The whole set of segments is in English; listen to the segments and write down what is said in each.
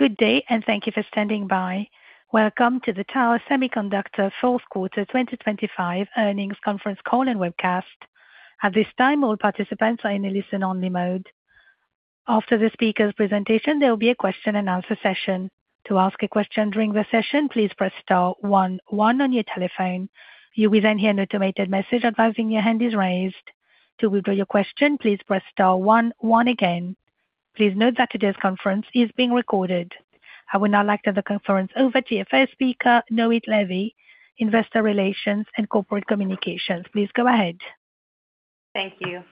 Good day, and thank you for standing by. Welcome to the Tower Semiconductor Q4 2025 Earnings Conference Call and Webcast. At this time, all participants are in a listen-only mode. After the speaker's presentation, there will be a question and answer session. To ask a question during the session, please press star one one on your telephone. You will then hear an automated message advising your hand is raised. To withdraw your question, please press star one one again. Please note that today's conference is being recorded. I would now like to turn the conference over to our first speaker, Noit Levy, Investor Relations and Corporate Communications. Please go ahead. Thank you.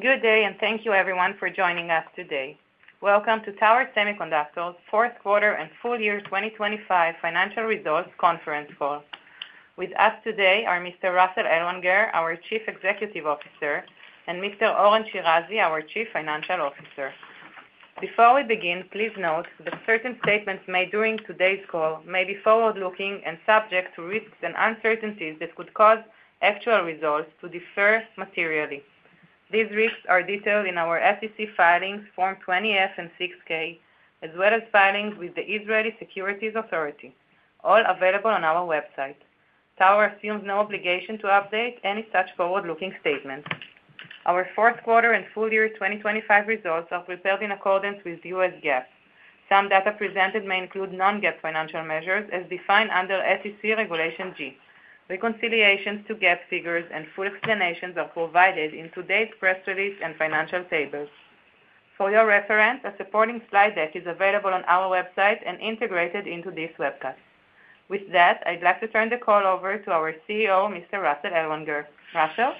Good day, and thank you everyone for joining us today. Welcome to Tower Semiconductor's Q4 and Full Year 2025 Financial Results Conference Call. With us today are Mr. Russell Ellwanger, our Chief Executive Officer, and Mr. Oren Shirazi, our Chief Financial Officer. Before we begin, please note that certain statements made during today's call may be forward-looking and subject to risks and uncertainties that could cause actual results to differ materially. These risks are detailed in our SEC filings, Form 20-S and 6-K, as well as filings with the Israeli Securities Authority, all available on our website. Tower assumes no obligation to update any such forward-looking statements. Our Q4 and full year 2025 results are prepared in accordance with U.S. GAAP. Some data presented may include non-GAAP financial measures as defined under SEC Regulation G. Reconciliations to GAAP figures and full explanations are provided in today's press release and financial tables. For your reference, a supporting slide deck is available on our website and integrated into this webcast. With that, I'd like to turn the call over to our CEO, Mr. Russell Ellwanger. Russell?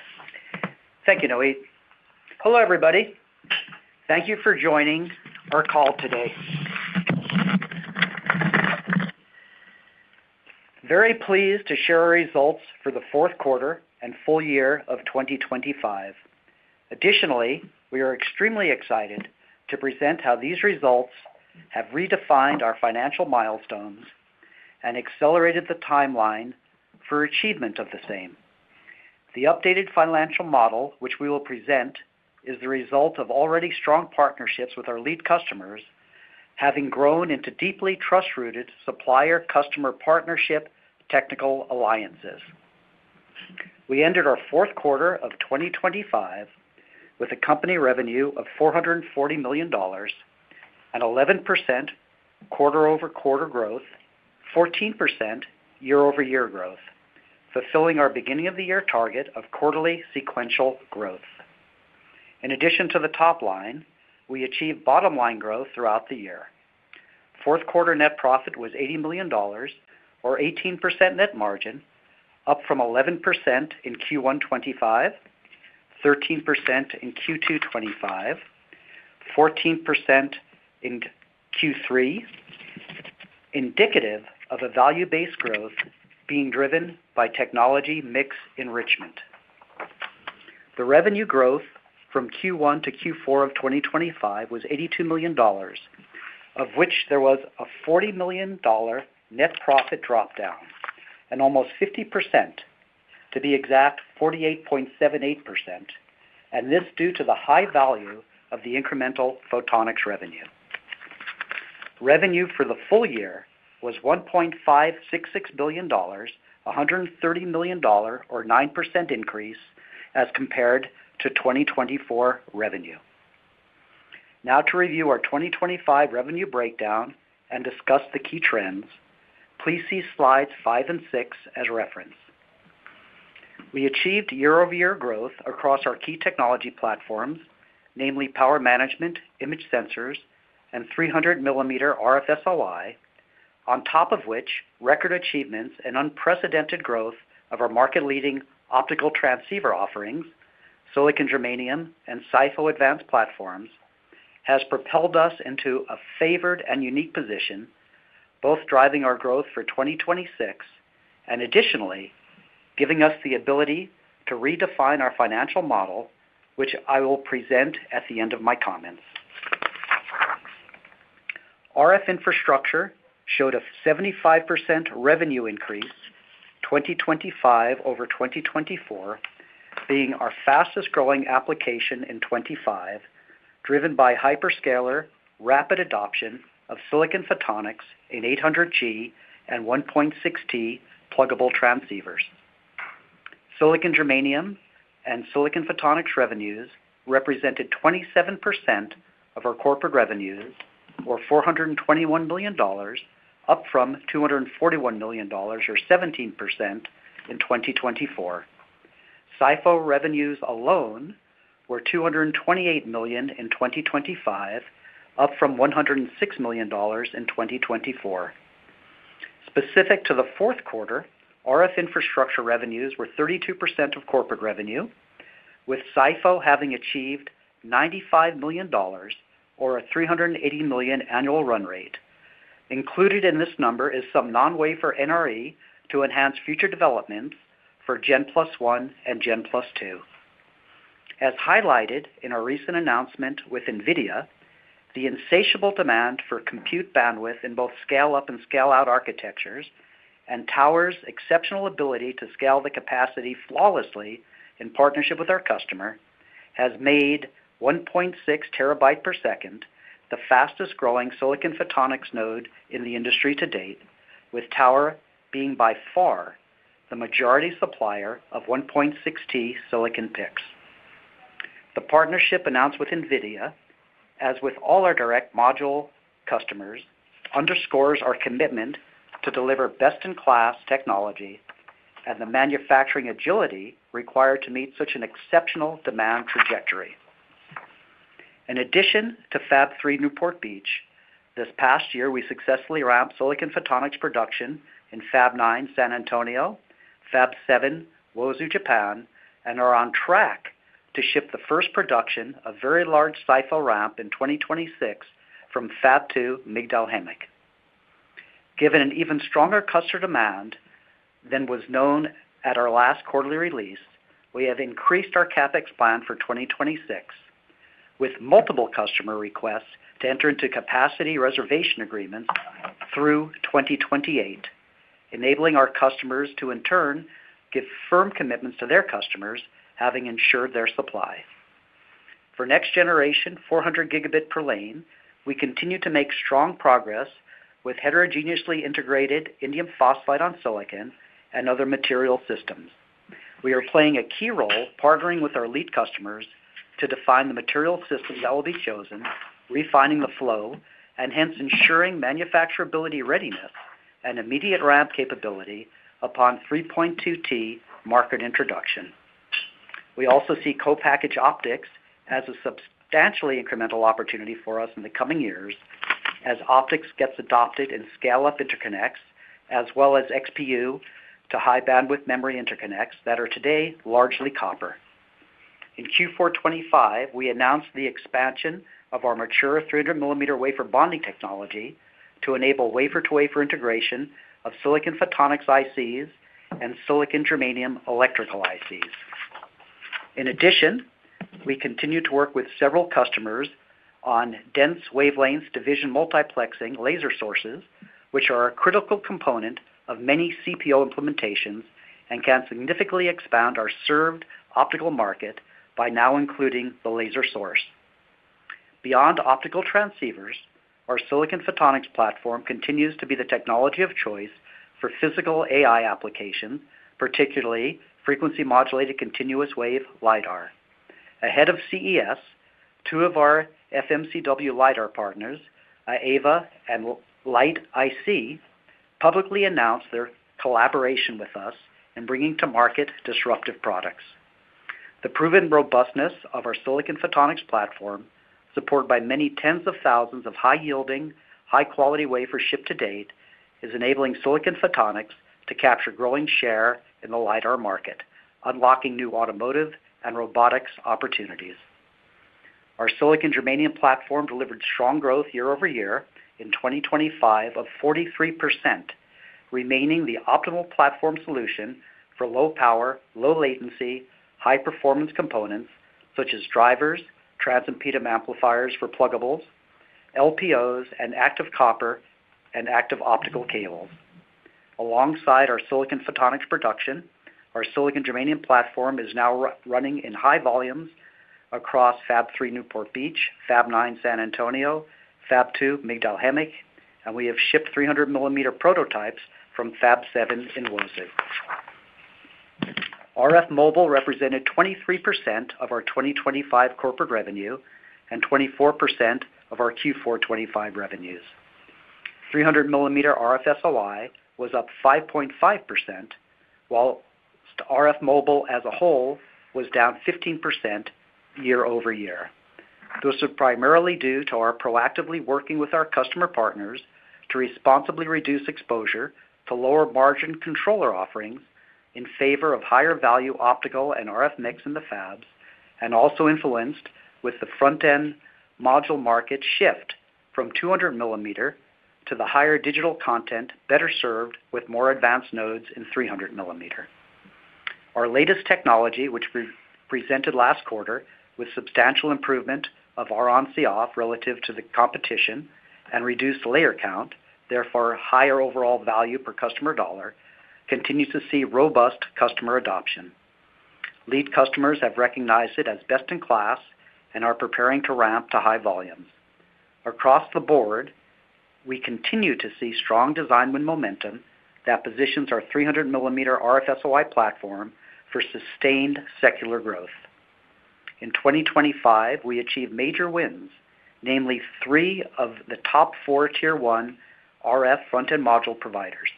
Thank you, Noit. Hello, everybody. Thank you for joining our call today. I'm very pleased to share our Results for the Q4 and Full Year of 2025. Additionally, we are extremely excited to present how these results have redefined our financial milestones and accelerated the timeline for achievement of the same. The updated financial model, which we will present, is the result of already strong partnerships with our lead customers, having grown into deeply trust-rooted supplier-customer partnership technical alliances. We ended our Q4 of 2025 with a company revenue of $440 million, an 11% quarter-over-quarter growth, 14% year-over-year growth, fulfilling our beginning of the year target of quarterly sequential growth. In addition to the top line, we achieved bottom-line growth throughout the year. Q4 net profit was $80 million, or 18% net margin, up from 11% in Q1 2025, 13% in Q2 2025, 14% in Q3, indicative of a value-based growth being driven by technology mix enrichment. The revenue growth from Q1 to Q4 of 2025 was $82 million, of which there was a $40 million net profit drop down and almost 50%, to be exact, 48.78%, and this due to the high value of the incremental photonics revenue. Revenue for the full year was $1.566 billion, a $130 million or 9% increase as compared to 2024 revenue. Now to review our 2025 revenue breakdown and discuss the key trends. Please see slides five and six as reference. We achieved year-over-year growth across our key technology platforms, namely Power Management, Image Sensors, and 300mm RF-SOI, on top of which record achievements and unprecedented growth of our market-leading optical transceiver offerings, silicon germanium, and SiPho advanced platforms, has propelled us into a favored and unique position, both driving our growth for 2026 and additionally, giving us the ability to redefine our financial model, which I will present at the end of my comments. RF infrastructure showed a 75% revenue increase, 2025 over 2024, being our fastest-growing application in 2025, driven by hyperscaler rapid adoption of silicon photonics in 800G and 1.6T pluggable transceivers. Silicon germanium and silicon photonics revenues represented 27% of our corporate revenues, or $421 million, up from $241 million, or 17% in 2024. SiPho revenues alone were $228 million in 2025, up from $106 million in 2024. Specific to the Q4, RF infrastructure revenues were 32% of corporate revenue, with SiPho having achieved $95 million, or a $380 million annual run rate. Included in this number is some non-recurring NRE to enhance future developments for Gen+1 and Gen+2. As highlighted in our recent announcement with NVIDIA, the insatiable demand for compute bandwidth in both scale-up and scale-out architectures and Tower's exceptional ability to scale the capacity flawlessly in partnership with our customer has made 1.6 terabit per second, the fastest growing silicon photonics node in the industry to date, with Tower being by far the majority supplier of 1.6T silicon PICs. The partnership announced with NVIDIA, as with all our direct module customers, underscores our commitment to deliver best-in-class technology and the manufacturing agility required to meet such an exceptional demand trajectory. In addition to Fab 3, Newport Beach, this past year, we successfully ramped silicon photonics production in Fab 9, San Antonio, Fab 7, Uozu, Japan, and are on track to ship the first production of very large SiPho ramp in 2026 from Fab 2, Migdal HaEmek. Given an even stronger customer demand than was known at our last quarterly release, we have increased our CapEx plan for 2026, with multiple customer requests to enter into capacity reservation agreements through 2028, enabling our customers to, in turn, give firm commitments to their customers, having ensured their supply. For next generation, 400G per lane, we continue to make strong progress with heterogeneously integrated indium phosphide on silicon and other material systems. We are playing a key role, partnering with our lead customers to define the material system that will be chosen, refining the flow, and hence ensuring manufacturability, readiness, and immediate ramp capability upon 3.2T market introduction. We also see co-packaged optics as a substantially incremental opportunity for us in the coming years as optics gets adopted and scale up interconnects, as well as XPU to high bandwidth memory interconnects that are today largely copper. In Q4 2025, we announced the expansion of our mature 300 mm wafer bonding technology to enable wafer-to-wafer integration of silicon photonics ICs and silicon germanium electrical ICs. In addition, we continue to work with several customers on dense wavelength division multiplexing laser sources, which are a critical component of many CPO implementations and can significantly expand our served optical market by now, including the laser source. Beyond optical transceivers, our silicon photonics platform continues to be the technology of choice for physical AI applications, particularly frequency modulated continuous wave LiDAR. Ahead of CES, two of our FMCW LiDAR partners, Aeva and LightIC, publicly announced their collaboration with us in bringing to market disruptive products. The proven robustness of our silicon photonics platform, supported by many tens of thousands of high-yielding, high-quality wafer shipped to date, is enabling silicon photonics to capture growing share in the LiDAR market, unlocking new automotive and robotics opportunities. Our silicon germanium platform delivered strong growth year-over-year in 2025 of 43%, remaining the optimal platform solution for low power, low latency, high performance components such as drivers, transimpedance amplifiers for pluggables, LPOs, and active copper and active optical cables. Alongside our silicon photonics production, our silicon germanium platform is now running in high volumes across Fab Three, Newport Beach, Fab Nine, San Antonio, Fab Two, Migdal HaEmek, and we have shipped 300 millimeter prototypes from Fab Seven in Uozu. RF mobile represented 23% of our 2025 corporate revenue and 24% of our Q4 2025 revenues. 300 mm RF SOI was up 5.5%, while RF mobile as a whole was down 15% year-over-year. This is primarily due to our proactively working with our customer partners to responsibly reduce exposure to lower margin controller offerings in favor of higher value optical and RF mix in the fabs, and also influenced with the front-end module market shift from 200 mm to the higher digital content, better served with more advanced nodes in 300 mm. Our latest technology, which we presented last quarter, with substantial improvement of our Ron-Coff relative to the competition and reduced layer count, therefore, higher overall value per customer dollar, continues to see robust customer adoption. Lead customers have recognized it as best-in-class and are preparing to ramp to high volumes. Across the board, we continue to see strong design win momentum that positions our 300 mm RF-SOI platform for sustained secular growth. In 2025, we achieved major wins, namely three of the top four tier one RF front-end module providers.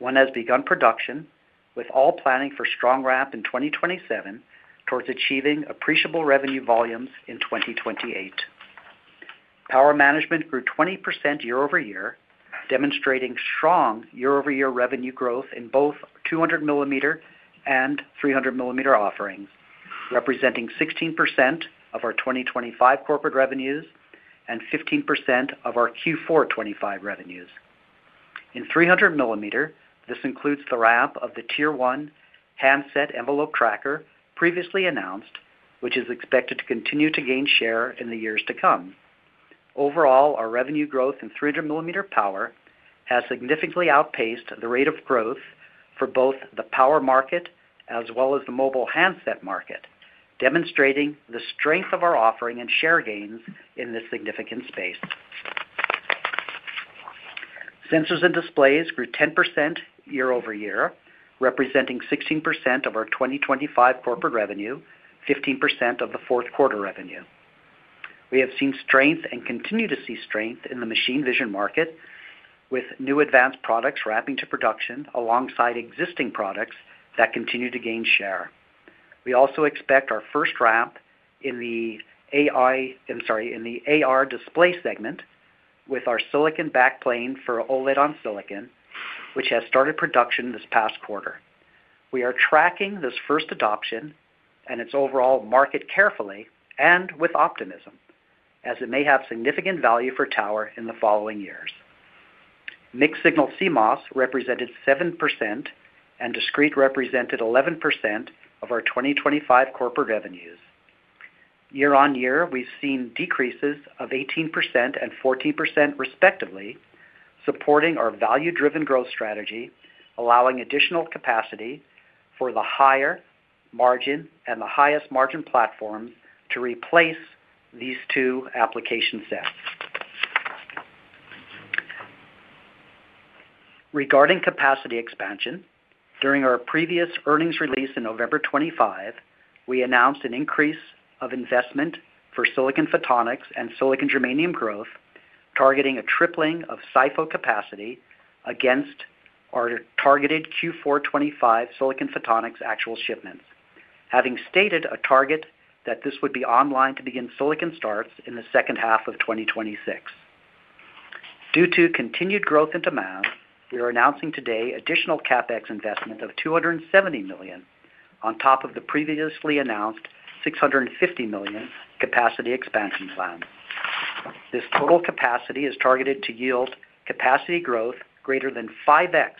One has begun production, with all planning for strong ramp in 2027 towards achieving appreciable revenue volumes in 2028. Power Management grew 20% year-over-year, demonstrating strong year-over-year revenue growth in both 200 mm and 300 mm offerings, representing 16% of our 2025 corporate revenues and 15% of our Q4 2025 revenues. In 300mm, this includes the ramp of the tier one handset envelope tracker previously announced, which is expected to continue to gain share in the years to come. Overall, our revenue growth in 300mm power has significantly outpaced the rate of growth for both the power market as well as the mobile handset market, demonstrating the strength of our offering and share gains in this significant space. Sensors and displays grew 10% year-over-year, representing 16% of our 2025 corporate revenue, 15% of the Q4 revenue. We have seen strength and continue to see strength in the Machine Vision market, with new advanced products ramping to production alongside existing products that continue to gain share. We also expect our first ramp in the AI, I'm sorry, in the AR display segment, with our silicon backplane for OLED on silicon, which has started production this past quarter. We are tracking this first adoption and its overall market carefully and with optimism, as it may have significant value for Tower in the following years. Mixed signal CMOS represented 7%, and discrete represented 11% of our 2025 corporate revenues. Year-on-year, we've seen decreases of 18% and 14% respectively, supporting our value-driven growth strategy, allowing additional capacity for the higher margin and the highest margin platform to replace these two application sets. Regarding capacity expansion, during our previous earnings release in November 2025, we announced an increase of investment for silicon photonics and silicon germanium growth, targeting a tripling of SiPhO capacity against our targeted Q4 2025 silicon photonics actual shipments. Having stated a target that this would be online to begin silicon starts in the second half of 2026. Due to continued growth and demand, we are announcing today additional CapEx investment of $270 million, on top of the previously announced $650 million capacity expansion plan. This total capacity is targeted to yield capacity growth greater than 5x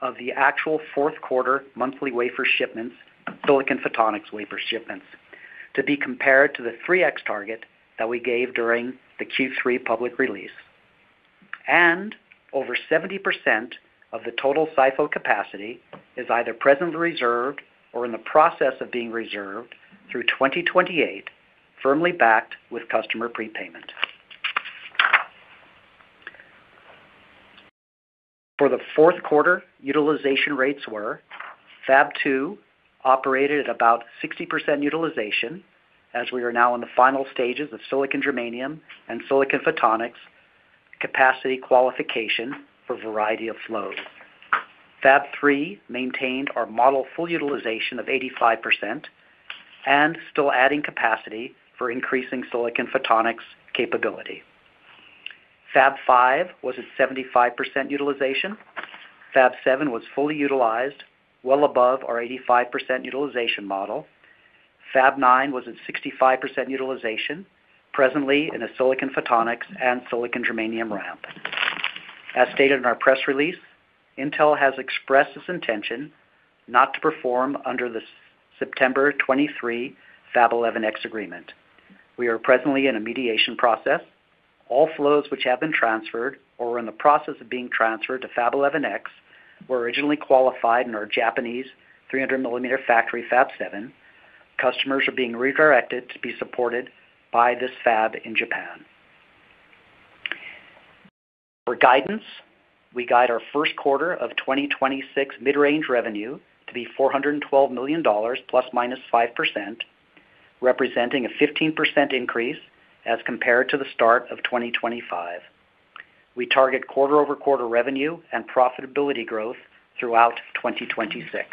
of the actual Q4 monthly wafer shipments, silicon photonics wafer shipments, to be compared to the 3x target that we gave during the Q3 public release. Over 70% of the total SiPho capacity is either presently reserved or in the process of being reserved through 2028, firmly backed with customer prepayment. For the Q4, utilization rates were: Fab 2 operated at about 60% utilization, as we are now in the final stages of silicon germanium and silicon photonics capacity qualification for a variety of flows. Fab 3 maintained our model full utilization of 85% and still adding capacity for increasing silicon photonics capability. Fab 5 was at 75% utilization. Fab 7 was fully utilized, well above our 85% utilization model. Fab 9 was at 65% utilization, presently in a silicon photonics and silicon germanium ramp. As stated in our press release, Intel has expressed its intention not to perform under the September 2023 Fab 11X agreement. We are presently in a mediation process. All flows which have been transferred or are in the process of being transferred to Fab 11X, were originally qualified in our Japanese 300mm factory, Fab 7. Customers are being redirected to be supported by this fab in Japan. For guidance, we guide our Q1 of 2026 mid-range revenue to be $412 million, ±5%, representing a 15% increase as compared to the start of 2025. We target quarter-over-quarter revenue and profitability growth throughout 2026.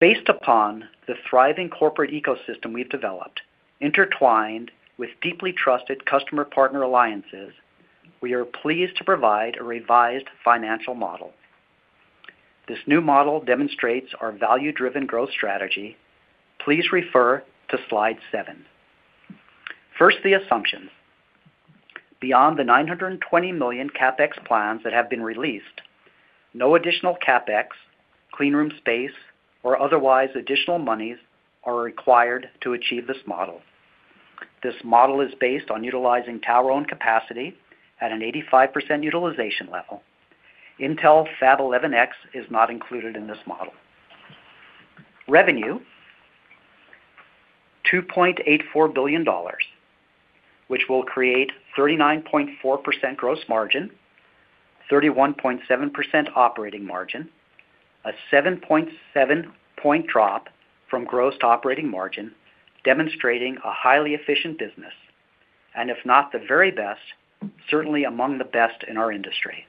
Based upon the thriving corporate ecosystem we've developed, intertwined with deeply trusted customer partner alliances, we are pleased to provide a revised financial model. This new model demonstrates our value-driven growth strategy. Please refer to slide seven. First, the assumptions. Beyond the $920 million CapEx plans that have been released, no additional CapEx, clean room space, or otherwise additional monies are required to achieve this model. This model is based on utilizing Tower's own capacity at an 85% utilization level. Intel Fab 11X is not included in this model. Revenue, $2.84 billion, which will create 39.4% gross margin, 31.7% operating margin, a 7.7-point drop from gross to operating margin, demonstrating a highly efficient business, and if not the very best, certainly among the best in our industry.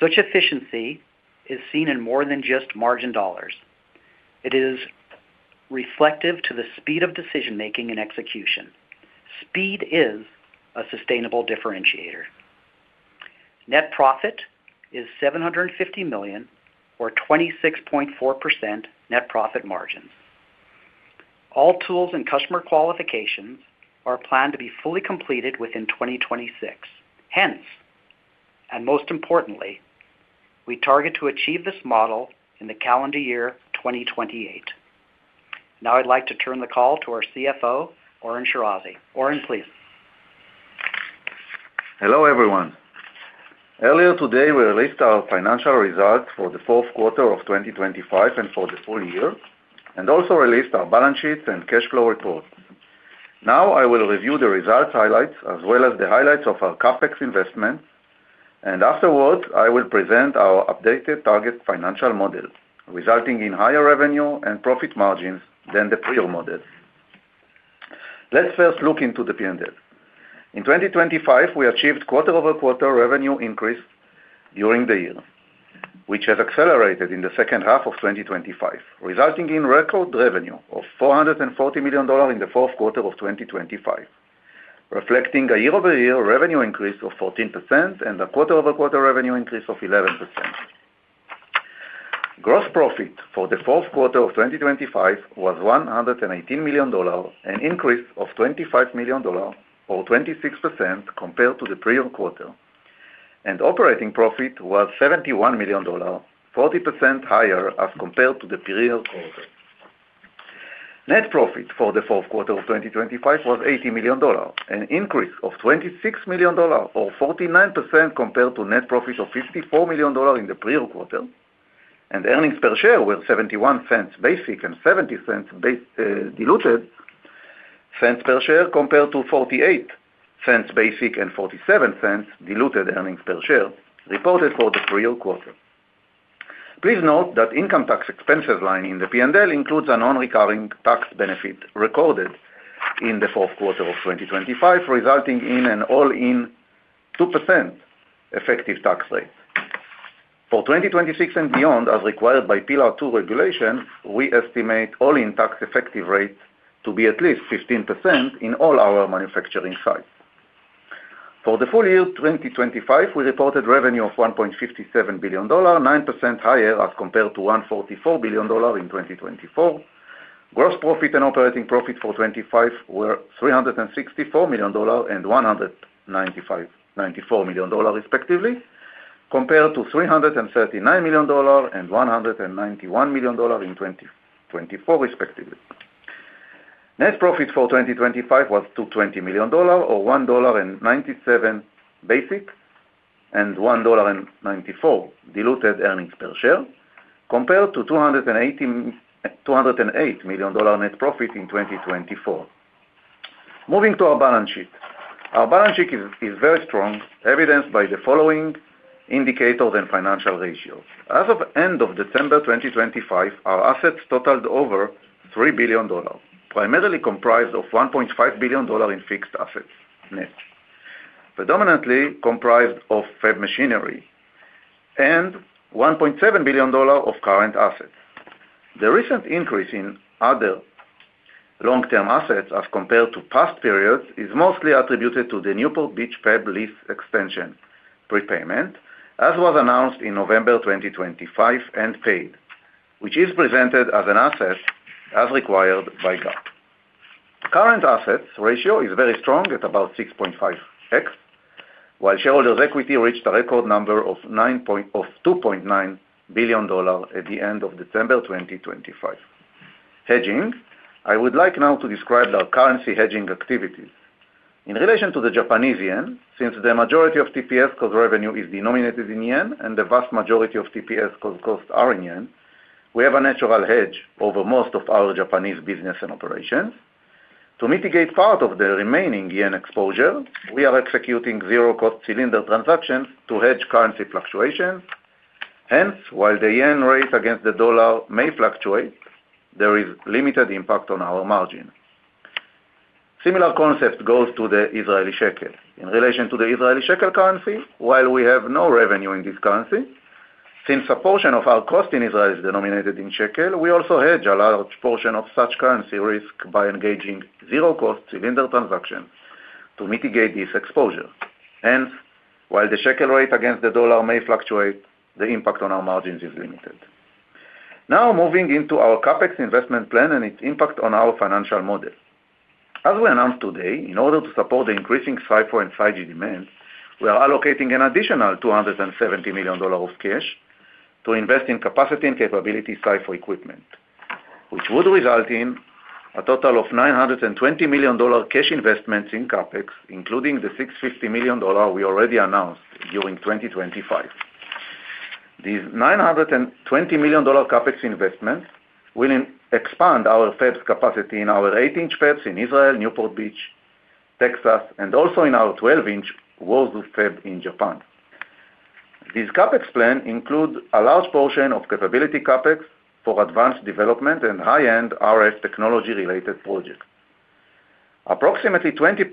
Such efficiency is seen in more than just margin dollars. It is reflective to the speed of decision making and execution. Speed is a sustainable differentiator. Net profit is $750 million, or 26.4% net profit margins. All tools and customer qualifications are planned to be fully completed within 2026. And most importantly, we target to achieve this model in the calendar year 2028. Now, I'd like to turn the call to our CFO, Oren Shirazi. Oren, please. Hello, everyone. Earlier today, we released our financial results for the Q4 of 2025 and for the full year, and also released our balance sheets and cash flow report. Now, I will review the results highlights as well as the highlights of our CapEx investment, and afterwards, I will present our updated target financial model, resulting in higher revenue and profit margins than the prior model. Let's first look into the P&L. In 2025, we achieved quarter-over-quarter revenue increase during the year, which has accelerated in the second half of 2025, resulting in record revenue of $440 million in the Q4 of 2025, reflecting a year-over-year revenue increase of 14% and a quarter-over-quarter revenue increase of 11%. Gross profit for the Q4 of 2025 was $118 million, an increase of $25 million or 26% compared to the prior quarter, and operating profit was $71 million, 40% higher as compared to the prior quarter. Net profit for the Q4 of 2025 was $80 million, an increase of $26 million or 49% compared to net profits of $54 million in the prior quarter. Earnings per share were $0.71 basic and $0.70 diluted cents per share, compared to $0.48 basic and $0.47 diluted earnings per share reported for the prior quarter. Please note that income tax expenses lying in the P&L includes a non-recurring tax benefit recorded in the Q4 of 2025, resulting in an all-in 2% effective tax rate. For 2026 and beyond, as required by Pillar Two regulations, we estimate all-in tax effective rates to be at least 15% in all our manufacturing sites. For the full year 2025, we reported revenue of $1.57 billion, 9% higher as compared to $1.44 billion in 2024. Gross profit and operating profit for 2025 were $364 million and $194 million, respectively, compared to $339 million and $191 million in 2024, respectively. Net profit for 2025 was $220 million, or $1.97 basic and $1.94 diluted earnings per share, compared to $208 million dollar net profit in 2024. Moving to our balance sheet. Our balance sheet is very strong, evidenced by the following indicators and financial ratios. As of end of December 2025, our assets totaled over $3 billion, primarily comprised of $1.5 billion in fixed assets net, predominantly comprised of fab machinery and $1.7 billion of current assets. The recent increase in other long-term assets as compared to past periods, is mostly attributed to the Newport Beach fab lease extension prepayment, as was announced in November 2025 and paid, which is presented as an asset as required by GAAP. Current assets ratio is very strong at about 6.5x, while shareholders' equity reached a record number of two point nine billion dollars at the end of December 2025. Hedging, I would like now to describe our currency hedging activities. In relation to the Japanese yen, since the majority of TPSCo revenue is denominated in yen, and the vast majority of TPSCo costs are in yen, we have a natural hedge over most of our Japanese business and operations. To mitigate part of the remaining yen exposure, we are executing zero-cost cylinder transactions to hedge currency fluctuations. Hence, while the yen rate against the dollar may fluctuate, there is limited impact on our margin. Similar concept goes to the Israeli shekel. In relation to the Israeli shekel currency, while we have no revenue in this currency, since a portion of our cost in Israel is denominated in shekel, we also hedge a large portion of such currency risk by engaging zero-cost cylinder transactions to mitigate this exposure. Hence, while the shekel rate against the dollar may fluctuate, the impact on our margins is limited. Now, moving into our CapEx investment plan and its impact on our financial model. As we announced today, in order to support the increasing SiPho and 5G demand, we are allocating an additional $270 million of cash to invest in capacity and capability SiPho equipment, which would result in a total of $920 million cash investments in CapEx, including the $650 million we already announced during 2025. These $920 million CapEx investments will expand our fab's capacity in our 8-inch fabs in Israel, Newport Beach, Texas, and also in our 12-inch Uozu fab in Japan. This CapEx plan includes a large portion of capability CapEx for advanced development and high-end RF technology-related projects. Approximately 28%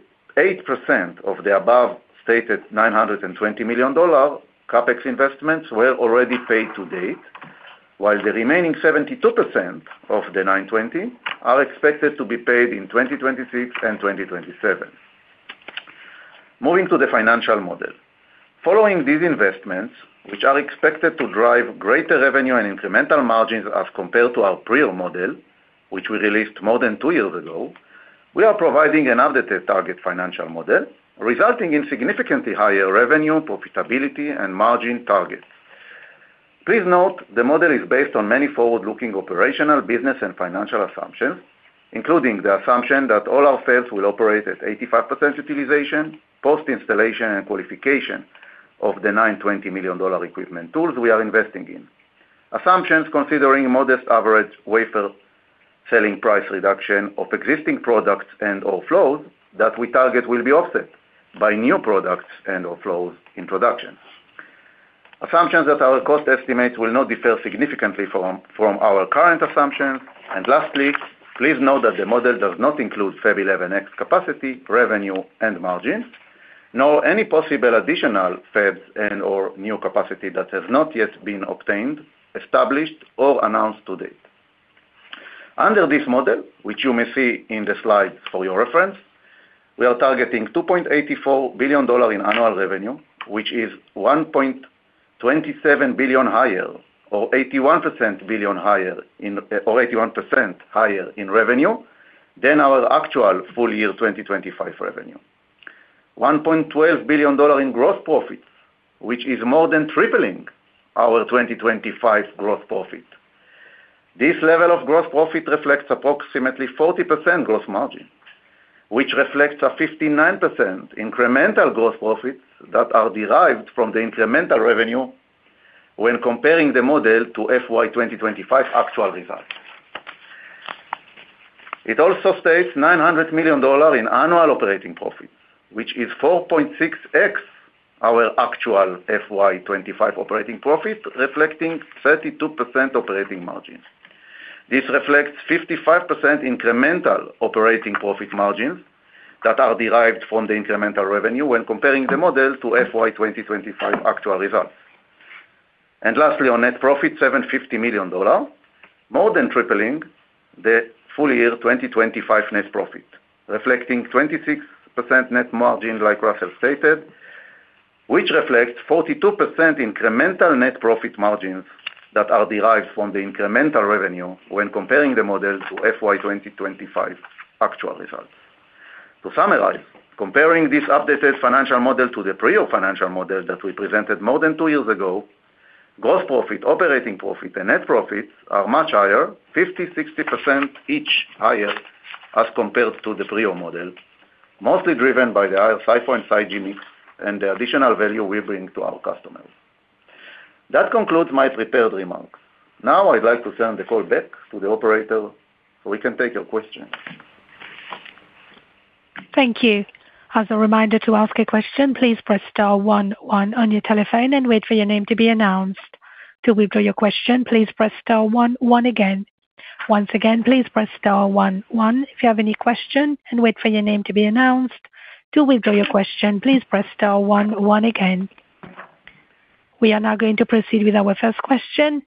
of the above-stated $920 million CapEx investments were already paid to date, while the remaining 72% of the $920 million are expected to be paid in 2026 and 2027. Moving to the financial model. Following these investments, which are expected to drive greater revenue and incremental margins as compared to our prior model, which we released more than two years ago, we are providing an updated target financial model, resulting in significantly higher revenue, profitability, and margin targets. Please note, the model is based on many forward-looking operational, business and financial assumptions, including the assumption that all our sales will operate at 85% utilization, post installation and qualification of the $920 million equipment tools we are investing in. Assumptions considering modest average wafer selling price reduction of existing products and/or flows that we target will be offset by new products and/or flows in production. Assumptions that our cost estimates will not differ significantly from our current assumptions. Lastly, please note that the model does not include Fab 11X capacity, revenue, and margins, nor any possible additional fabs and/or new capacity that has not yet been obtained, established, or announced to date. Under this model, which you may see in the slide for your reference, we are targeting $2.84 billion in annual revenue, which is $1.27 billion higher, or 81% higher in revenue than our actual full year 2025 revenue. $1.12 billion in gross profits, which is more than tripling our 2025 gross profit. This level of gross profit reflects approximately 40% gross margin, which reflects a 59% incremental gross profits that are derived from the incremental revenue when comparing the model to FY 2025 actual results. It also states $900 million in annual operating profits, which is 4.6x our actual FY 2025 operating profit, reflecting 32% operating margin. This reflects 55% incremental operating profit margins that are derived from the incremental revenue when comparing the model to FY 2025 actual results. And lastly, on net profit, $750 million, more than tripling the full year 2025 net profit, reflecting 26% net margin, like Russell stated, which reflects 42% incremental net profit margins that are derived from the incremental revenue when comparing the model to FY 2025 actual results. To summarize, comparing this updated financial model to the prior financial model that we presented more than two years ago, gross profit, operating profit and net profits are much higher, 50%-60% each higher as compared to the prior model, mostly driven by the higher SiPh and SiGe mix and the additional value we bring to our customers. That concludes my prepared remarks. Now, I'd like to turn the call back to the operator so we can take your questions. Thank you. As a reminder to ask a question, please press star one one on your telephone and wait for your name to be announced. To withdraw your question, please press star one one again. Once again, please press star one one if you have any questions and wait for your name to be announced. To withdraw your question, please press star one one again. We are now going to proceed with our first question.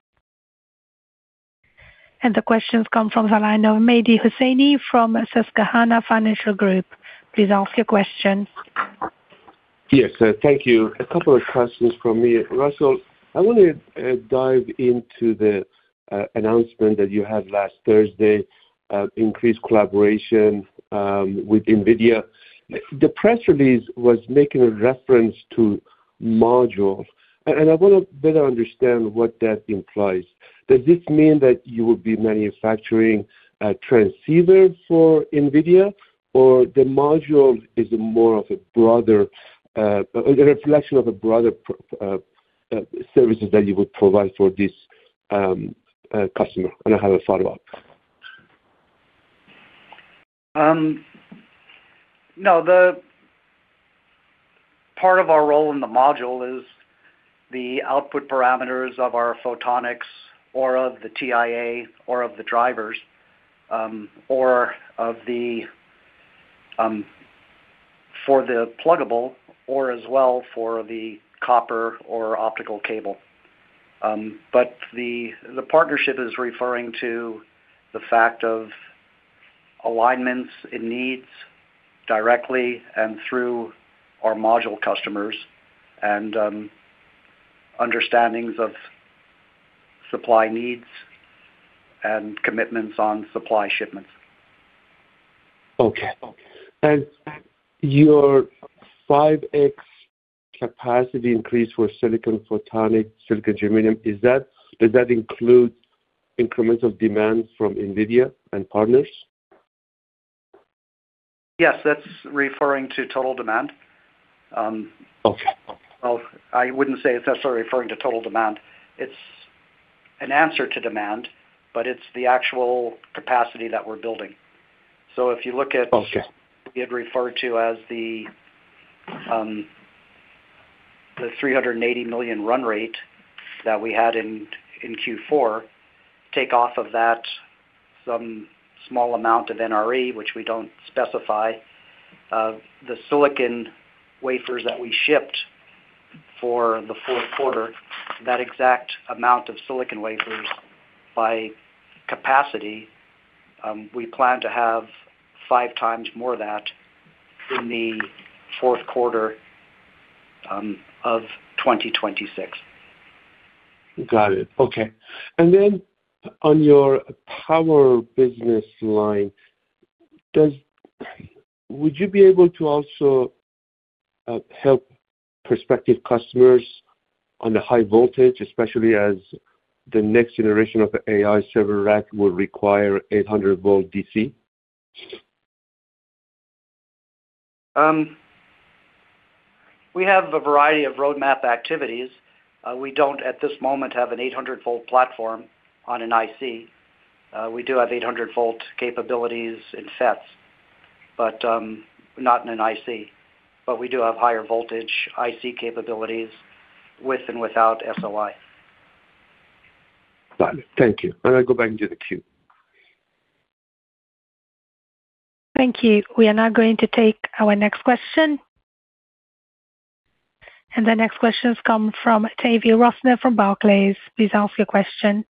The question comes from the line of Mehdi Hosseini from Susquehanna Financial Group. Please ask your question. Yes, thank you. A couple of questions from me. Russell, I want to dive into the announcement that you had last Thursday, increased collaboration with NVIDIA. The press release was making a reference to modules, and I want to better understand what that implies. Does this mean that you will be manufacturing transceivers for NVIDIA, or the module is more of a broader a reflection of a broader services that you would provide for this customer? And I have a follow-up. No, the part of our role in the module is the output parameters of our photonics or of the TIA, or of the drivers, for the pluggable or as well for the copper or optical cable. But the partnership is referring to the fact of alignments in needs directly and through our module customers and understandings of supply needs and commitments on supply shipments. Okay. And your 5x capacity increase for silicon photonics, silicon germanium, is that, does that include incremental demand from NVIDIA and partners? Yes, that's referring to total demand. Okay. Well, I wouldn't say it's necessarily referring to total demand. It's an answer to demand, but it's the actual capacity that we're building. So if you look at. Okay. We had referred to as the $380 million run rate that we had in Q4, take off of that some small amount of NRE, which we don't specify, the silicon wafers that we shipped for the Q4, that exact amount of silicon wafers by capacity, we plan to have five times more than that in the Q4 of 2026. Got it. Okay. And then on your power business line, does, would you be able to also help prospective customers on the high voltage, especially as the next generation of AI server rack will require 800-volt DC? We have a variety of roadmap activities. We don't at this moment have an 800 volt platform on an IC. We do have 800 volt capabilities in sets, but not in an IC. But we do have higher voltage IC capabilities with and without SOI. Got it. Thank you. I go back into the queue. Thank you. We are now going to take our next question. The next question comes from Tavy Rosner from Barclays. Please ask your question.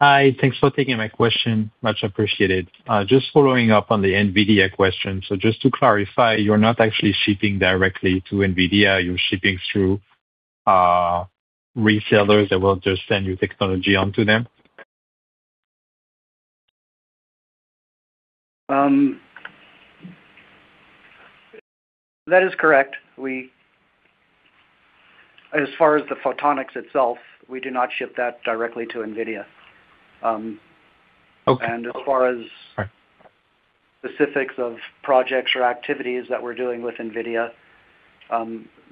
Hi. Thanks for taking my question. Much appreciated. Just following up on the NVIDIA question. So just to clarify, you're not actually shipping directly to NVIDIA, you're shipping through resellers that will just send you technology onto them? That is correct. We, as far as the photonics itself, we do not ship that directly to NVIDIA. Okay. As far as specifics of projects or activities that we're doing with NVIDIA,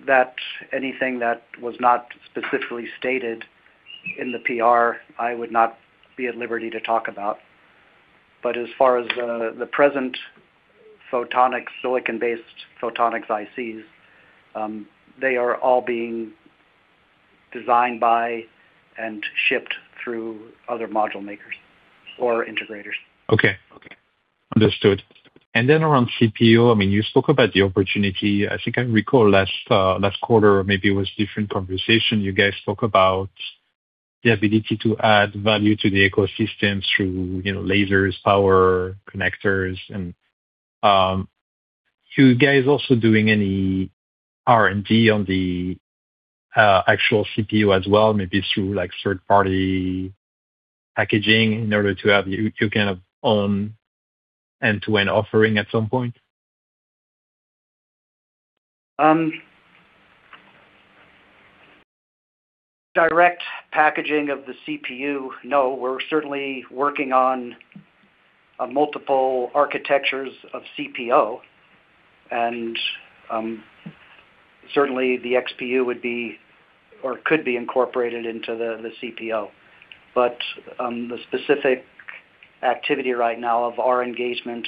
that anything that was not specifically stated in the PR, I would not be at liberty to talk about. As far as the present photonic, silicon-based photonics ICs, they are all being designed by and shipped through other module makers or integrators. Okay. Understood. And then around CPO, I mean, you spoke about the opportunity. I think I recall last quarter, or maybe it was different conversation, you guys talk about the ability to add value to the ecosystem through, you know, lasers, power, connectors, and, you guys also doing any R&D on the actual CPU as well, maybe through, like, third-party packaging in order to have you, you kind of, end-to-end offering at some point? Direct packaging of the CPU. No, we're certainly working on multiple architectures of CPO, and certainly the XPU would be or could be incorporated into the CPO. But the specific activity right now of our engagement,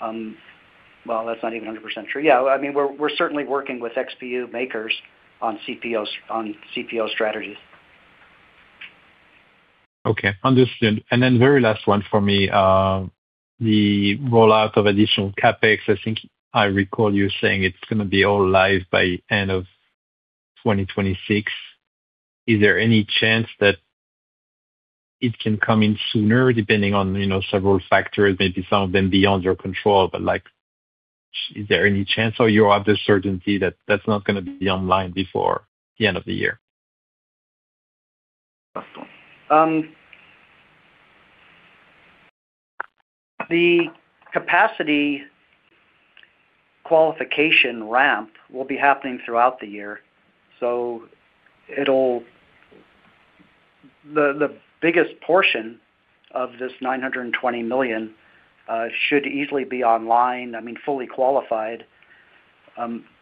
well, that's not even 100% true. Yeah, I mean, we're certainly working with XPU makers on CPO, on CPO strategies. Okay, understood. And then very last one for me, the rollout of additional CapEx, I think I recall you saying it's going to be all live by end of 2026. Is there any chance that it can come in sooner, depending on, you know, several factors, maybe some of them beyond your control, but like, is there any chance or you have the certainty that that's not going to be online before the end of the year? Last one. The capacity qualification ramp will be happening throughout the year, so it'll, the biggest portion of this $920 million should easily be online, I mean, fully qualified,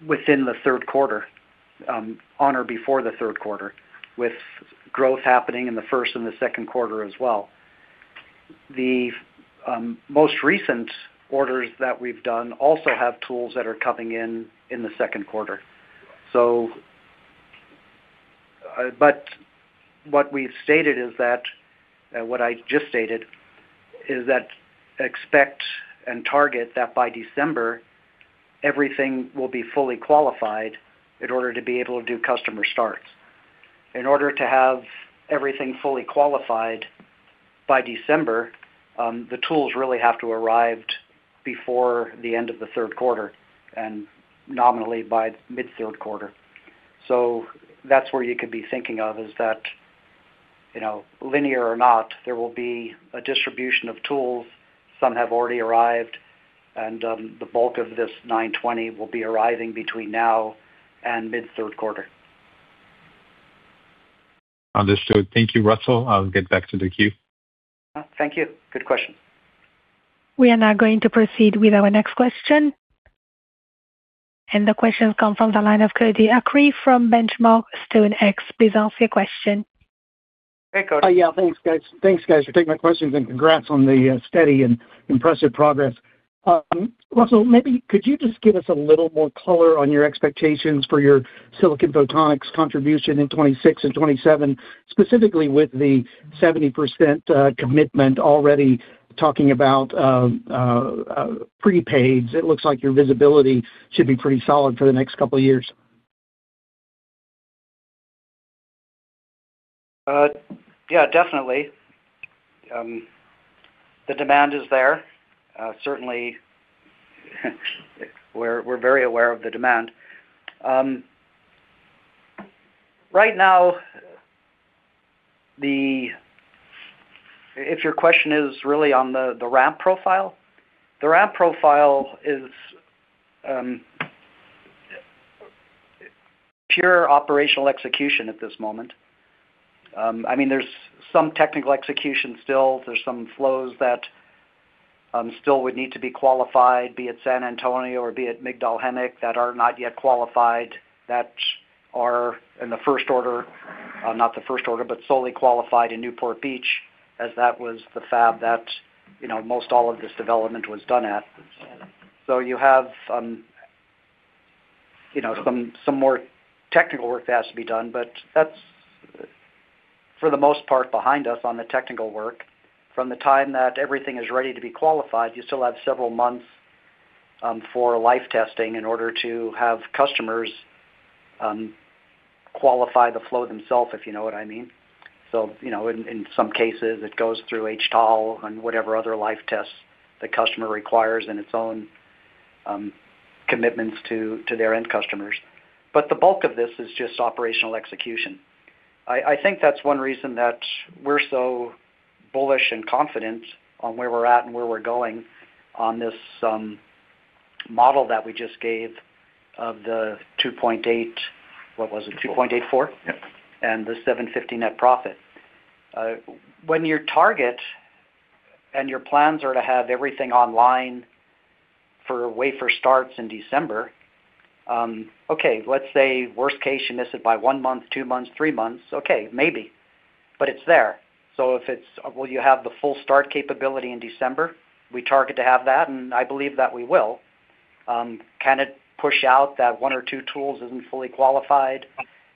within the Q3, on or before the Q3, with growth happening in the first and the Q2 as well. The most recent orders that we've done also have tools that are coming in the Q2. So, but what we've stated is that, what I just stated is that expect and target that by December, everything will be fully qualified in order to be able to do customer starts. In order to have everything fully qualified by December, the tools really have to arrived before the end of the Q3 and nominally by mid-Q3. So that's where you could be thinking of, is that, you know, linear or not, there will be a distribution of tools. Some have already arrived, and the bulk of this 920 will be arriving between now and mid-Q3. Understood. Thank you, Russell. I'll get back to the queue. Thank you. Good question. We are now going to proceed with our next question, and the question comes from the line of Cody Acree from The Benchmark Company. Please ask your question. Hey, Cody. Yeah, thanks, guys. Thanks, guys, for taking my questions and congrats on the steady and impressive progress. Russell, maybe could you just give us a little more color on your expectations for your silicon photonics contribution in 2026 and 2027, specifically with the 70% commitment already talking about prepaids. It looks like your visibility should be pretty solid for the next couple of years. Yeah, definitely. The demand is there. Certainly, we're very aware of the demand. Right now, the if your question is really on the ramp profile, the ramp profile is pure operational execution at this moment. I mean, there's some technical execution still. There's some flows that still would need to be qualified, be it San Antonio or be it Migdal HaEmek, that are not yet qualified, that are in the first order, not the first order, but solely qualified in Newport Beach, as that was the fab that, you know, most all of this development was done at. So you have, you know, some more technical work that has to be done, but that's for the most part behind us on the technical work. From the time that everything is ready to be qualified, you still have several months, for life testing in order to have customers, qualify the flow themselves, if you know what I mean. So, you know, in, in some cases, it goes through HTOL and whatever other life tests the customer requires in its own, commitments to, to their end customers. But the bulk of this is just operational execution. I, I think that's one reason that we're so bullish and confident on where we're at and where we're going on this, model that we just gave of the 2.8, what was it? 2.84? Yep. The $750 net profit. When your target and your plans are to have everything online for wafer starts in December, okay, let's say worst case, you miss it by one month, two months, three months, okay, maybe, but it's there. So if it's, will you have the full start capability in December? We target to have that, and I believe that we will. Can it push out that one or two tools isn't fully qualified,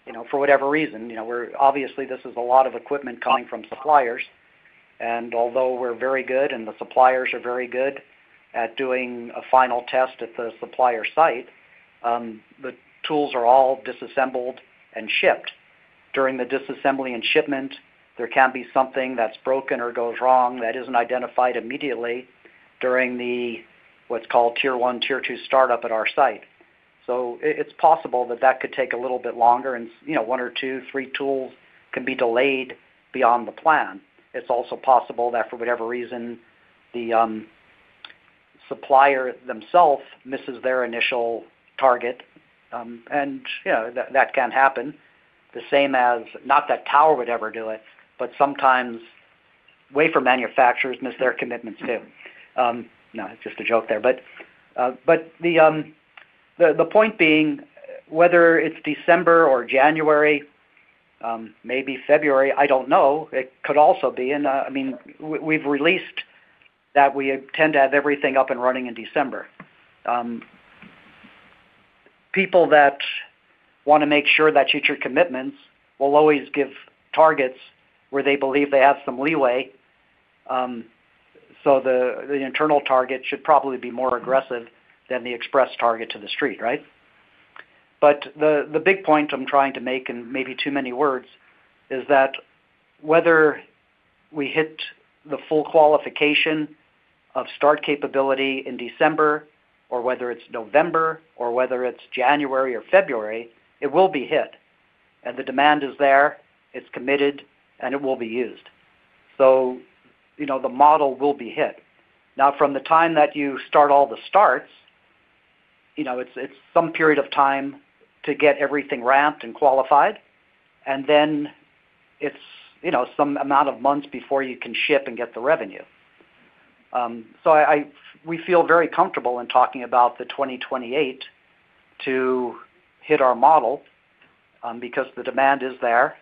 you know, for whatever reason? You know, we're obviously, this is a lot of equipment coming from suppliers, and although we're very good and the suppliers are very good at doing a final test at the supplier site, the tools are all disassembled and shipped. During the disassembly and shipment, there can be something that's broken or goes wrong that isn't identified immediately during the, what's called tier one, tier two startup at our site. So it's possible that that could take a little bit longer, and, you know, one or two, three tools can be delayed beyond the plan. It's also possible that for whatever reason, the supplier themselves misses their initial target, and, you know, that can happen. The same as, not that Tower would ever do it, but sometimes wafer manufacturers miss their commitments, too. No, it's just a joke there. But the point being, whether it's December or January, maybe February, I don't know, it could also be, and, I mean, we've released that we intend to have everything up and running in December. People that wanna make sure that future commitments will always give targets where they believe they have some leeway, so the internal target should probably be more aggressive than the express target to the street, right? But the big point I'm trying to make, and maybe too many words, is that whether we hit the full qualification of start capability in December, or whether it's November, or whether it's January or February, it will be hit, and the demand is there, it's committed, and it will be used. So, you know, the model will be hit. Now, from the time that you start all the starts, you know, it's some period of time to get everything ramped and qualified, and then it's, you know, some amount of months before you can ship and get the revenue. So, we feel very comfortable in talking about 2028 to hit our model, because the demand is there.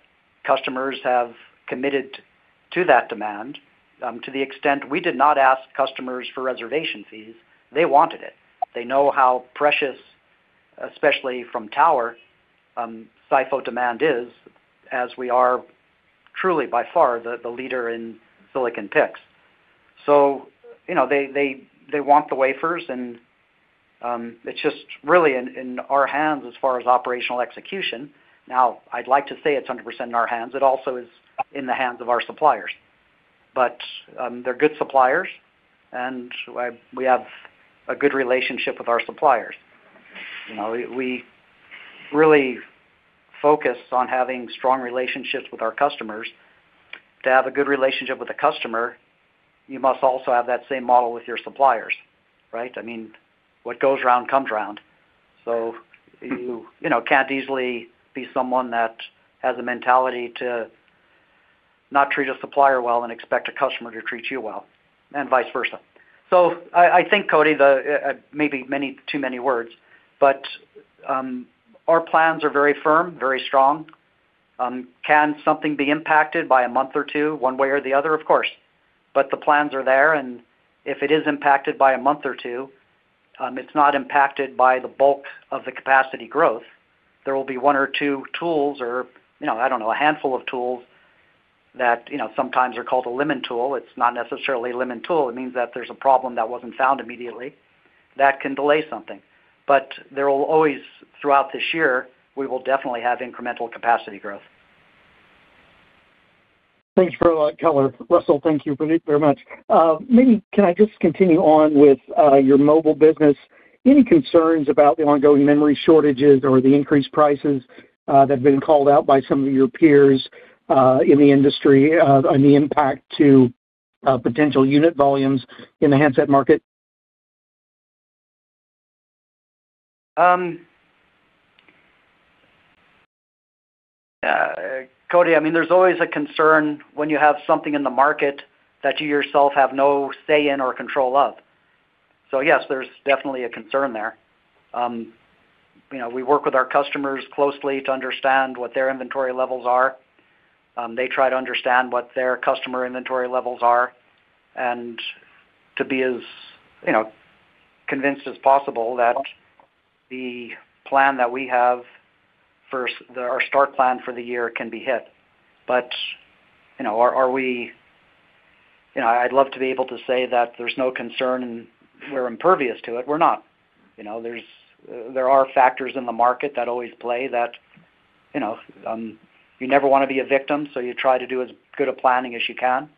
Customers have committed to that demand, to the extent we did not ask customers for reservation fees, they wanted it. They know how precious, especially from Tower, SiPho demand is, as we are truly, by far, the leader in silicon photonics. So, you know, they want the wafers, and it's just really in our hands as far as operational execution. Now, I'd like to say it's 100% in our hands. It also is in the hands of our suppliers, but they're good suppliers, and we have a good relationship with our suppliers. You know, we really focus on having strong relationships with our customers. To have a good relationship with a customer, you must also have that same model with your suppliers, right? I mean, what goes around, comes around. So you, you know, can't easily be someone that has a mentality to not treat a supplier well and expect a customer to treat you well, and vice versa. So I, I think, Cody, the, maybe many, too many words, but, our plans are very firm, very strong. Can something be impacted by a month or two, one way or the other? Of course, but the plans are there, and if it is impacted by a month or two, it's not impacted by the bulk of the capacity growth. There will be one or two tools or, you know, I don't know, a handful of tools that, you know, sometimes are called a lemon tool. It's not necessarily a lemon tool. It means that there's a problem that wasn't found immediately. That can delay something. But there will always, throughout this year, we will definitely have incremental capacity growth. Thanks for a lot of color, Russell. Thank you pretty, very much. Maybe can I just continue on with your mobile business? Any concerns about the ongoing memory shortages or the increased prices that have been called out by some of your peers in the industry and the impact to potential unit volumes in the handset market? Yeah, Cody, I mean, there's always a concern when you have something in the market that you yourself have no say in or control of. So yes, there's definitely a concern there. We work with our customers closely to understand what their inventory levels are. They try to understand what their customer inventory levels are, and to be as, you know, convinced as possible that the plan that we have for our start plan for the year can be hit. But, you know, are we you know, I'd love to be able to say that there's no concern and we're impervious to it. We're not. You know, there are factors in the market that always play that, you know, you never want to be a victim, so you try to do as good a planning as you can,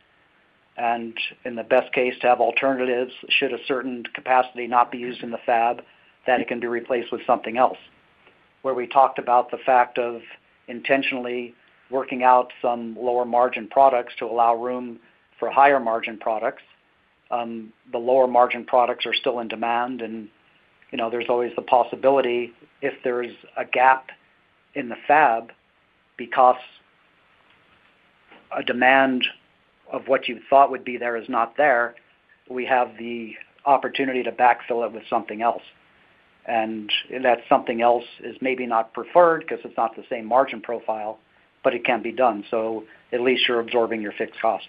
and in the best case, to have alternatives, should a certain capacity not be used in the fab, then it can be replaced with something else. Where we talked about the fact of intentionally working out some lower margin products to allow room for higher margin products, the lower margin products are still in demand, and, you know, there's always the possibility, if there is a gap in the fab because a demand of what you thought would be there is not there, we have the opportunity to backfill it with something else. That something else is maybe not preferred because it's not the same margin profile, but it can be done, so at least you're absorbing your fixed cost.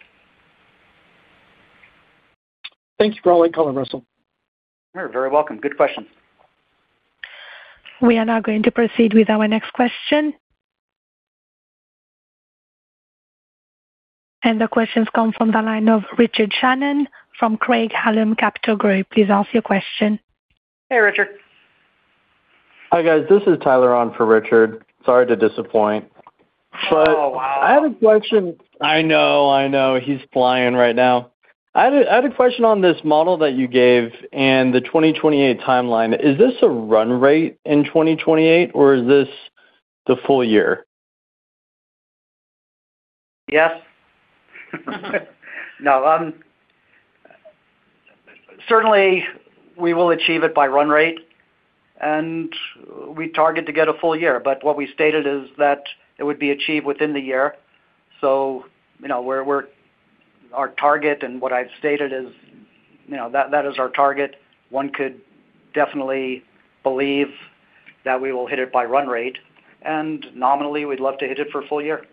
Thanks for all that color, Russell. You're very welcome. Good question. We are now going to proceed with our next question. The question comes from the line of Richard Shannon from Craig-Hallum Capital Group. Please ask your question. Hey, Richard. Hi, guys. This is Tyler on for Richard. Sorry to disappoint. Oh, wow! I have a question. I know, I know. He's flying right now. I had a question on this model that you gave and the 2028 timeline. Is this a run rate in 2028, or is this the full year? Yes. No, certainly, we will achieve it by run rate, and we target to get a full year, but what we stated is that it would be achieved within the year. So you know, we're our target and what I've stated is, you know, that, that is our target. One could definitely believe that we will hit it by run rate, and nominally, we'd love to hit it for a full year,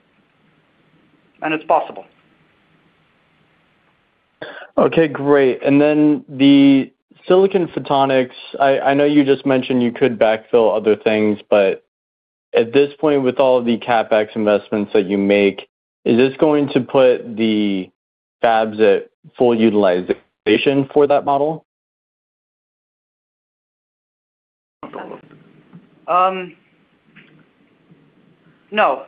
and it's possible. Okay, great. And then the silicon photonics, I know you just mentioned you could backfill other things, but at this point, with all the CapEx investments that you make, is this going to put the fabs at full utilization for that model? No.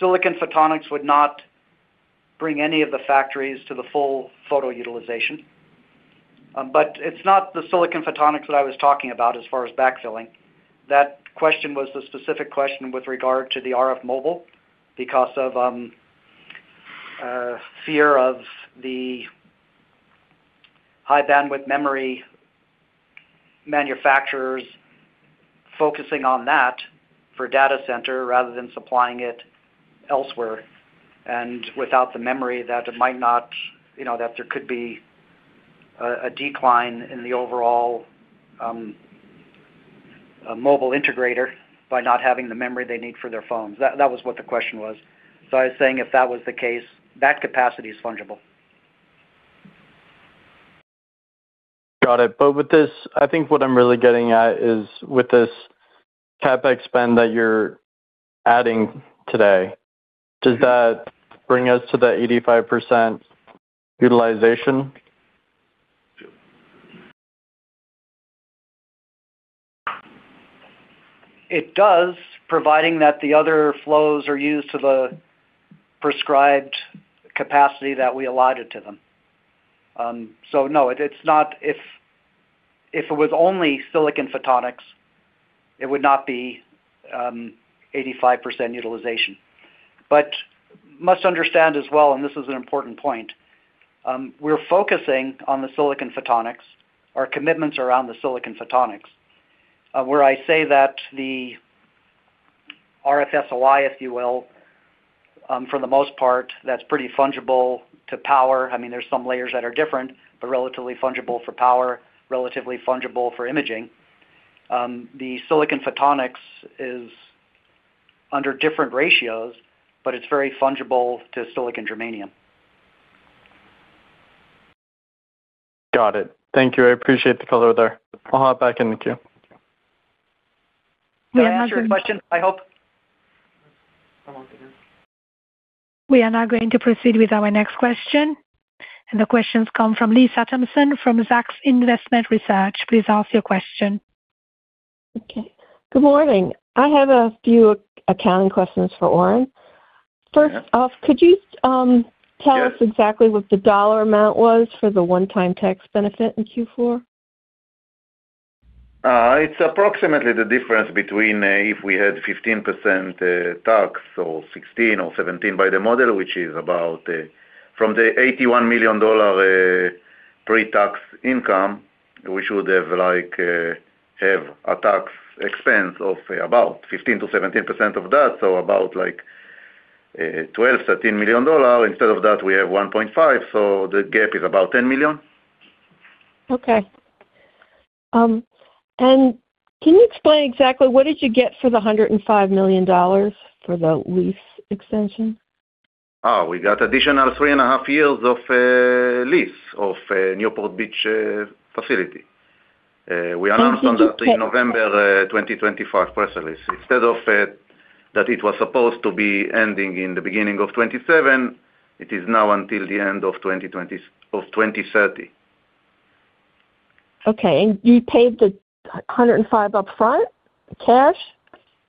Silicon photonics would not bring any of the factories to the full photo utilization. But it's not the silicon photonics that I was talking about as far as backfilling. That question was a specific question with regard to the RF mobile because of fear of the high bandwidth memory manufacturers focusing on that for data center rather than supplying it elsewhere, and without the memory, that it might not, you know, that there could be a decline in the overall mobile integrator by not having the memory they need for their phones. That, that was what the question was. So I was saying if that was the case, that capacity is fungible. Got it. But with this, I think what I'm really getting at is with this CapEx spend that you're adding today, does that bring us to the 85% utilization? It does, providing that the other flows are used to the prescribed capacity that we allotted to them. So no, it's not. If, if it was only silicon photonics, it would not be 85% utilization. But must understand as well, and this is an important point, we're focusing on the silicon photonics. Our commitments are on the silicon photonics, where I say that the RF-SOI, if you will, for the most part, that's pretty fungible to power. I mean, there's some layers that are different, but relatively fungible for power, relatively fungible for imaging. The silicon photonics is under different ratios, but it's very fungible to silicon germanium. Got it. Thank you. I appreciate the color there. I'll hop back in the queue. I answered your question, I hope? We are now going to proceed with our next question, and the question comes from Lisa Thompson from Zacks Investment Research. Please ask your question. Okay. Good morning. I have a few accounting questions for Oren. First off, could you tell us exactly what the dollar amount was for the one-time tax benefit in Q4? It's approximately the difference between, if we had 15%, tax or 16 or 17 by the model, which is about, from the $81 million, pre-tax income, we should have like, have a tax expense of about 15%-17% of that, so about like, $12 million, $13 million. Instead of that, we have $1.5, so the gap is about $10 million. Okay. Can you explain exactly what did you get for the $105 million for the lease extension? Oh, we got additional three and a half years of lease of Newport Beach facility. We announced on the November 2025 press release. Instead of that it was supposed to be ending in the beginning of 2027, it is now until the end of 2030. Okay. You paid the $105 upfront, cash?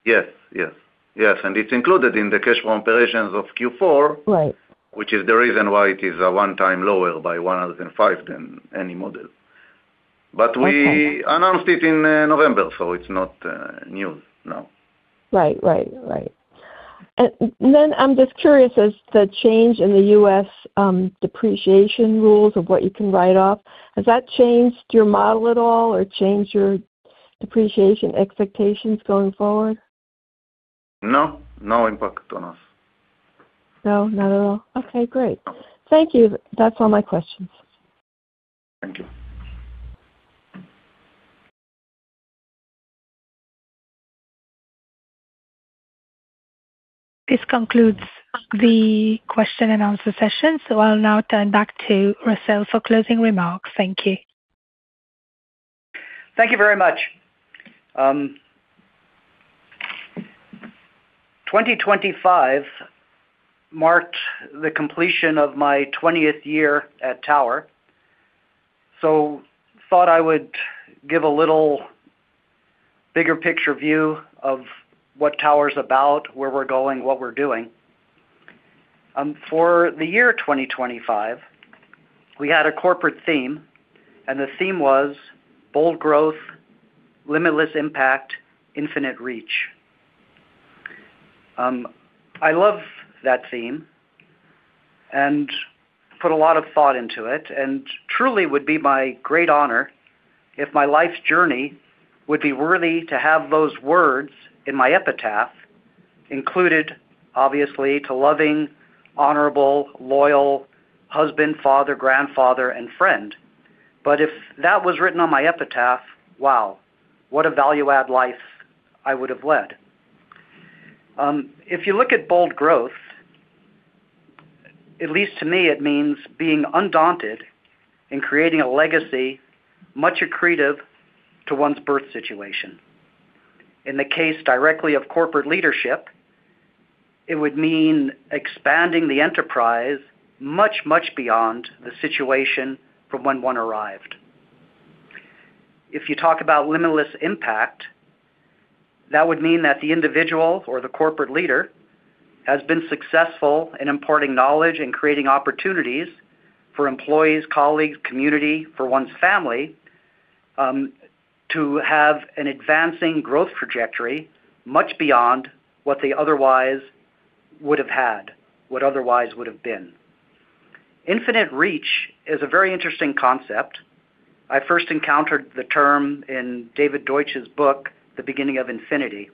Yes, yes. Yes, and it's included in the cash flow operations of Q4 Right. Which is the reason why it is a one-time lower by 105 than any model. Okay. We announced it in November, so it's not news now. Right, right, right. And then I'm just curious, as the change in the U.S. depreciation rules of what you can write off, has that changed your model at all or changed your depreciation expectations going forward? No, no impact on us. No, not at all. Okay, great. Thank you. That's all my questions. Thank you. This concludes the question and answer session, so I'll now turn back to Russell for closing remarks. Thank you. Thank you very much. 2025 marked the completion of my 20th year at Tower, so thought I would give a little bigger picture view of what Tower's about, where we're going, what we're doing. For the year 2025, we had a corporate theme, and the theme was: bold growth, limitless impact, infinite reach. I love that theme and put a lot of thought into it, and truly would be my great honor if my life's journey would be worthy to have those words in my epitaph included, obviously, to loving, honorable, loyal husband, father, grandfather, and friend. But if that was written on my epitaph, wow, what a value-add life I would have led. If you look at bold growth, at least to me, it means being undaunted and creating a legacy much accretive to one's birth situation. In the case directly of corporate leadership, it would mean expanding the enterprise much, much beyond the situation from when one arrived. If you talk about limitless impact, that would mean that the individual or the corporate leader has been successful in importing knowledge and creating opportunities for employees, colleagues, community, for one's family, to have an advancing growth trajectory much beyond what they otherwise would have had, what otherwise would have been. Infinite reach is a very interesting concept. I first encountered the term in David Deutsch's book, The Beginning of Infinity,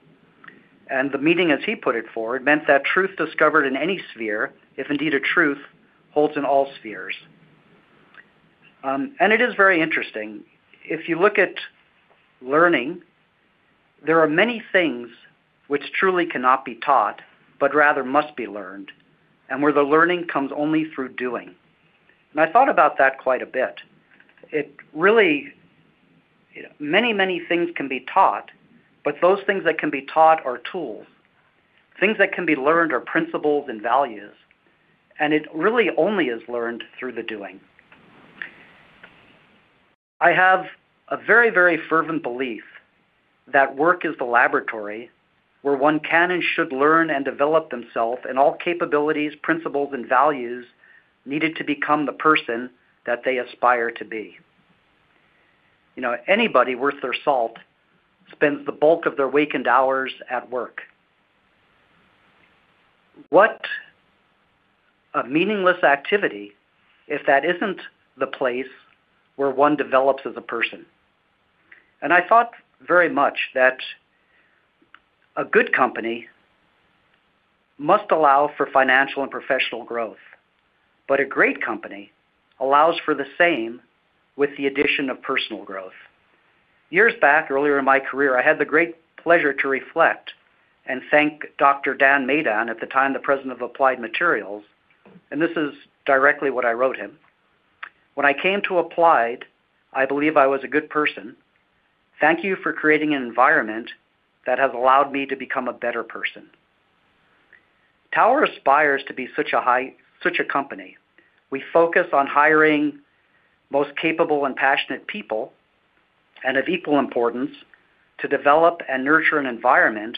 and the meaning, as he put it forward, meant that truth discovered in any sphere, if indeed a truth, holds in all spheres. And it is very interesting. If you look at learning, there are many things which truly cannot be taught, but rather must be learned, and where the learning comes only through doing. I thought about that quite a bit. It really, many, many things can be taught, but those things that can be taught are tools. Things that can be learned are principles and values, and it really only is learned through the doing. I have a very, very fervent belief that work is the laboratory where one can and should learn and develop themselves in all capabilities, principles, and values needed to become the person that they aspire to be. You know, anybody worth their salt spends the bulk of their wakened hours at work. What a meaningless activity, if that isn't the place where one develops as a person? I thought very much that a good company must allow for financial and professional growth, but a great company allows for the same with the addition of personal growth. Years back, earlier in my career, I had the great pleasure to reflect and thank Dr. Dan Maydan, at the time, the President of Applied Materials, and this is directly what I wrote him. When I came to Applied, I believe I was a good person. Thank you for creating an environment that has allowed me to become a better person. Tower aspires to be such a high, such a company. We focus on hiring most capable and passionate people, and of equal importance, to develop and nurture an environment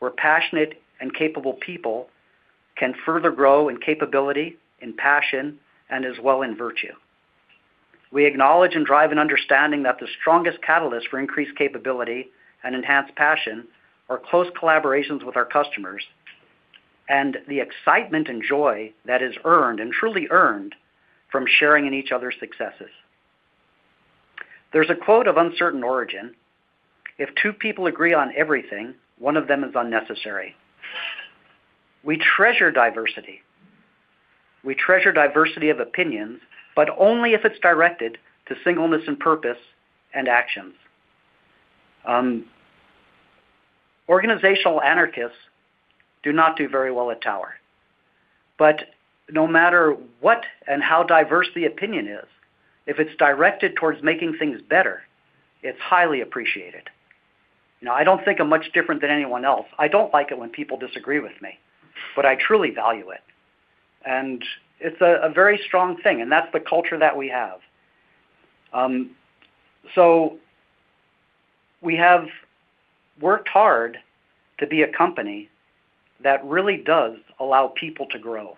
where passionate and capable people can further grow in capability, in passion, and as well in virtue. We acknowledge and drive an understanding that the strongest catalyst for increased capability and enhanced passion are close collaborations with our customers, and the excitement and joy that is earned, and truly earned, from sharing in each other's successes. There's a quote of uncertain origin: If two people agree on everything, one of them is unnecessary. We treasure diversity. We treasure diversity of opinions, but only if it's directed to singleness and purpose and actions. Organizational anarchists do not do very well at Tower, but no matter what and how diverse the opinion is, if it's directed towards making things better, it's highly appreciated. Now, I don't think I'm much different than anyone else. I don't like it when people disagree with me, but I truly value it, and it's a, a very strong thing, and that's the culture that we have. So we have worked hard to be a company that really does allow people to grow.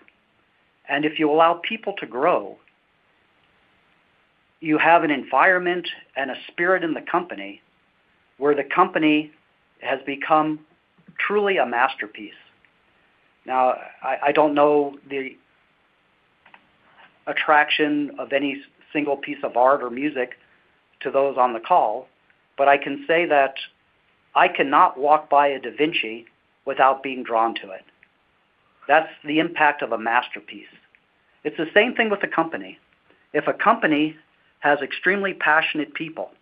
If you allow people to grow, you have an environment and a spirit in the company, where the company has become truly a masterpiece. Now, I don't know the attraction of any single piece of art or music to those on the call, but I can say that I cannot walk by a da Vinci without being drawn to it. That's the impact of a masterpiece. It's the same thing with a company. If a company has extremely passionate people,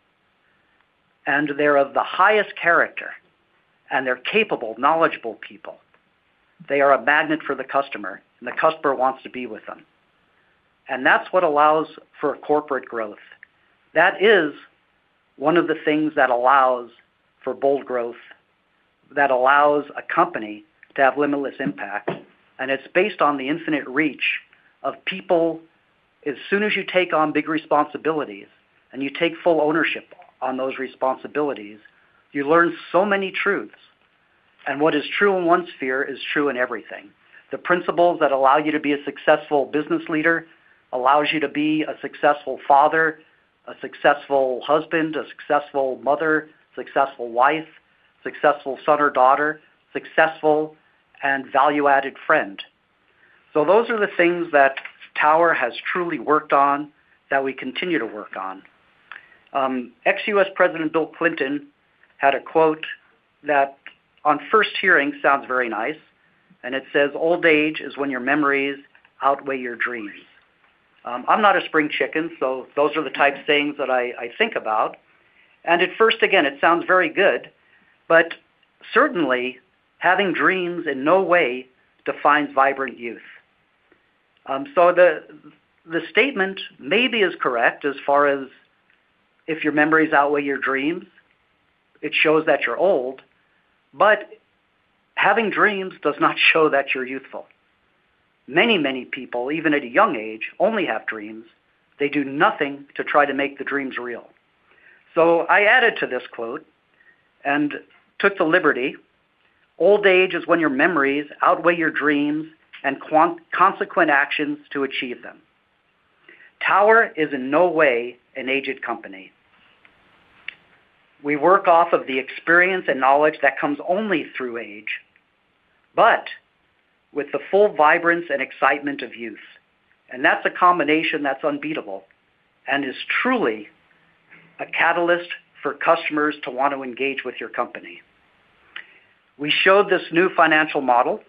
and they're of the highest character, and they're capable, knowledgeable people, they are a magnet for the customer, and the customer wants to be with them. And that's what allows for corporate growth. That is one of the things that allows for bold growth, that allows a company to have limitless impact, and it's based on the infinite reach of people. As soon as you take on big responsibilities and you take full ownership on those responsibilities, you learn so many truths, and what is true in one sphere is true in everything. The principles that allow you to be a successful business leader, allows you to be a successful father, a successful husband, a successful mother, successful wife, successful son or daughter, successful and value-added friend. So those are the things that Tower has truly worked on, that we continue to work on. Ex-U.S. President Bill Clinton had a quote that on first hearing, sounds very nice, and it says, "Old age is when your memories outweigh your dreams." I'm not a spring chicken, so those are the type of things that I think about, and at first again, it sounds very good, but certainly, having dreams in no way defines vibrant youth. So the statement maybe is correct as far as if your memories outweigh your dreams, it shows that you're old, but having dreams does not show that you're youthful. Many, many people, even at a young age, only have dreams. They do nothing to try to make the dreams real. So I added to this quote and took the liberty: Old age is when your memories outweigh your dreams and consequent actions to achieve them. Tower is in no way an aged company. We work off of the experience and knowledge that comes only through age, but with the full vibrancy and excitement of youth. And that's a combination that's unbeatable and is truly a catalyst for customers to want to engage with your company. We showed this new financial model,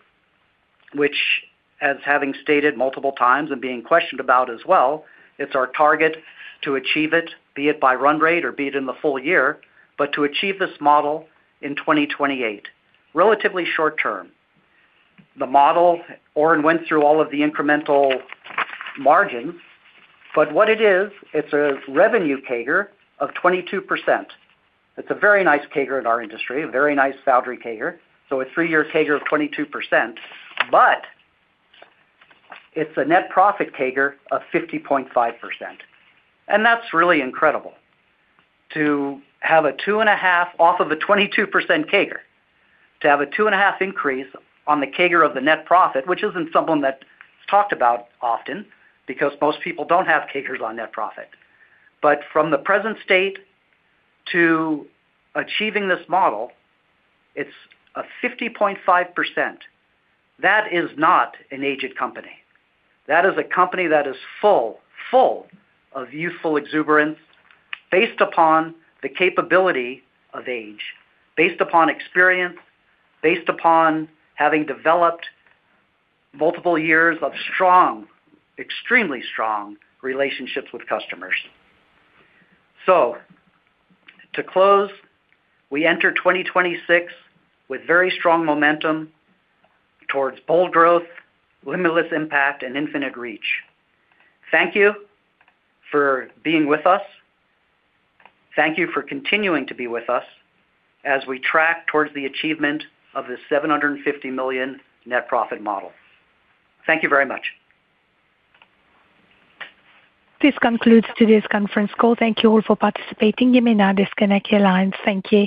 which as having stated multiple times and being questioned about as well, it's our target to achieve it, be it by run rate or be it in the full year, but to achieve this model in 2028, relatively short term. The model, Oren went through all of the incremental margins, but what it is, it's a revenue CAGR of 22%. It's a very nice CAGR in our industry, a very nice foundry CAGR, so a three year CAGR of 22%, but it's a net profit CAGR of 50.5%. And that's really incredible, to have a 2.5 off of a 22% CAGR, to have a 2.5 increase on the CAGR of the net profit, which isn't something that's talked about often because most people don't have CAGRs on net profit. But from the present state to achieving this model, it's a 50.5%. That is not an aged company. That is a company that is full, full of youthful exuberance, based upon the capability of age, based upon experience, based upon having developed multiple years of strong, extremely strong relationships with customers. So to close, we enter 2026 with very strong momentum towards bold growth, limitless impact, and infinite reach. Thank you for being with us. Thank you for continuing to be with us as we track towards the achievement of the $750 million net profit model. Thank you very much. This concludes today's conference call. Thank you all for participating. You may now disconnect your lines. Thank you.